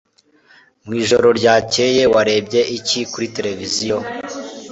Mwijoro ryakeye warebye iki kuri tereviziyo